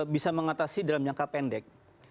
bisa mengatasi dalam jangka pendek